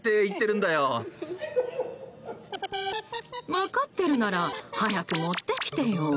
分かってるなら早く持ってきてよ。